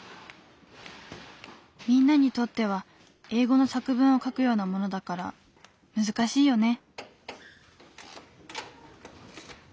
みんなにとっては英語の作文を書くようなものだから難しいよね。